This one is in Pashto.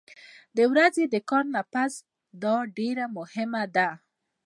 د ورځې د کار نه پس دا ډېره مهمه ده